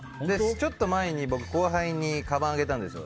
ちょっと前に僕、後輩にかばんあげたんですよ。